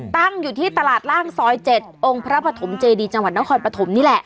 ตั้งอยู่ที่ตลาดล่างซอย๗องค์พระปฐมเจดีจังหวัดนครปฐมนี่แหละ